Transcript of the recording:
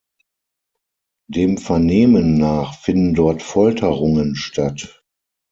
Dem Vernehmen nach finden dort Folterungen statt.